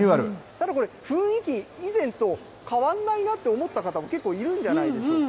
ただこれ、雰囲気、以前と変わんないなって思った方もけっこういるんじゃないでしょうか。